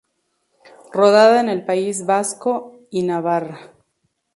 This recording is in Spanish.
Rodada en el País Vasco y Navarra.